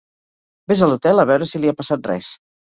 Ves a l'hotel a veure si li ha passat res.